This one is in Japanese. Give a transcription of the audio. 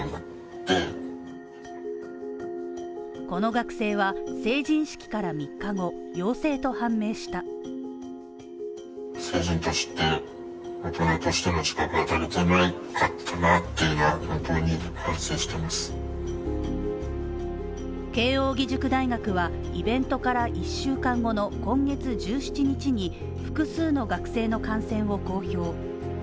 この学生は成人式から３日後陽性と判明した慶應義塾大学はイベントから１週間後の今月１７日に複数の学生の感染を公表。